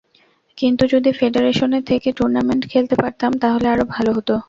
কিন্তু যদি ফেডারেশনে থেকে টুর্নামেন্টে খেলতে পারতাম, তাহলে আরও ভালো হতো।